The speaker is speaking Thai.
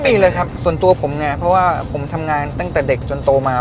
ไม่มีเลยครับส่วนตัวผมเนี่ยเพราะว่าผมทำงานตั้งแต่เด็กจนโตมา